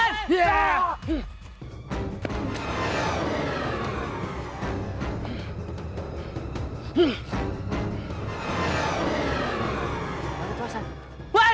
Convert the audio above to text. mana tuh san wan